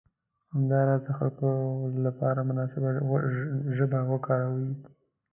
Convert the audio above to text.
همداراز د خلکو لپاره مناسبه ژبه وکاروئ.